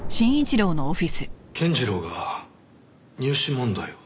健次郎が入試問題を？